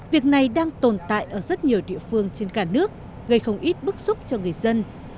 việc này đang tồn tại ở rất nhiều địa phương trên cả nước gây không ít bức xúc cho người dân